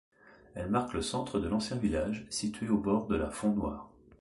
Elle marque le centre de l'ancien village situé au bord de la Font-Noire.